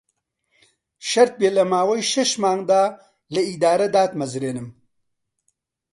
شەرت بێ لە ماوەی شەش مانگدا لە ئیدارە داتمەزرێنم